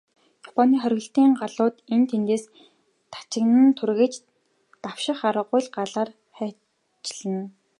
Японы хориглолтын галууд энд тэндээс тачигнан тургиж, давших аргагүй галаар хайчилна.